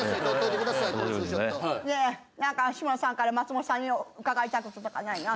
ねえ何か志村さんから松本さんに伺いたい事とかないの？